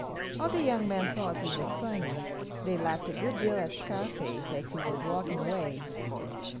All the young men thought this was funny; they laughed a good deal at Scarface as he was walking away.